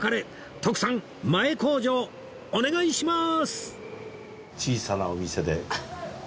徳さん前口上お願いします！